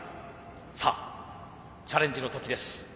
さあチャレンジの時です。